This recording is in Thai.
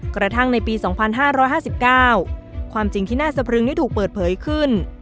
กระทั่งในปีสองพันห้าร้อยห้าสิบเก้าความจริงที่น่าสะพรึงได้ถูกเปิดเผยขึ้น